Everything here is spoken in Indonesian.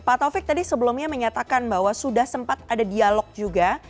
pak taufik tadi sebelumnya menyatakan bahwa sudah sempat ada dialog juga